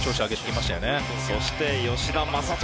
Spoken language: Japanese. そして吉田正尚。